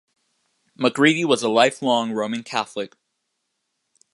MacGreevy was a lifelong Roman Catholic.